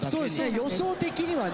予想的にはね。